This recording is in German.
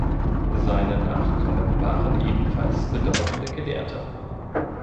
Seine Nachkommen waren ebenfalls bedeutende Gelehrte.